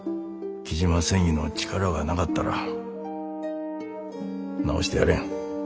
雉真繊維の力がなかったら治してやれん。